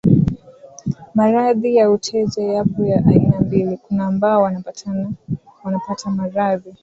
Maradhi ya uteja yapo ya aina mbili kuna ambao wanapata maradhi